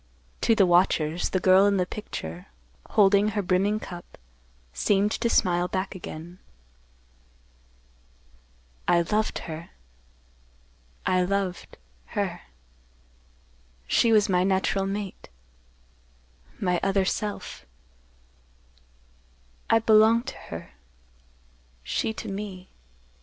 To the watchers, the girl in the picture, holding her brimming cup, seemed to smile back again. "I loved her—I loved—her. She was my natural mate—my other self. I belonged to her—she to me.